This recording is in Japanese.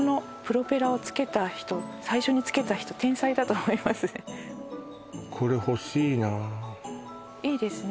最初につけた人天才だと思いますねいいですね